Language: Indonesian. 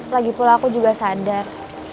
lagipula aku juga sadar